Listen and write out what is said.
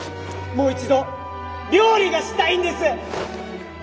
もう一度料理がしたいんです！